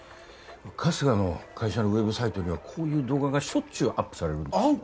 春日の会社のウェブサイトにはこういう動画がしょっちゅうアップされるんですよ